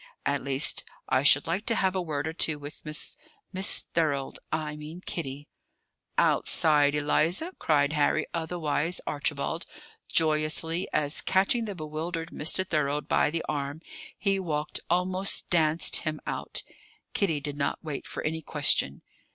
"At least, I should like to have a word or two with Miss Miss Thorold I mean, Kitty " "Outside, Eliza!" cried Harry, otherwise Archibald, joyously, as, catching the bewildered Mr. Thorold by the arm, he walked, almost danced, him out. Kitty did not wait for any question.